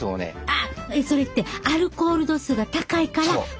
あっそれってアルコール度数が高いから凍らへんの？